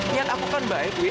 niat aku kan baik dwi